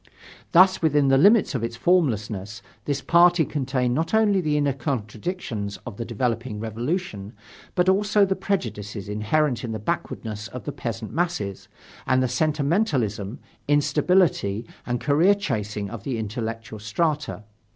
Thus, within the limits of its formlessness, this party contained not only the inner contradictions of the developing Revolution, but also the prejudices inherent in the backwardness of the peasant masses, and the sentimentalism, instability and career chasing of the intellectual strata.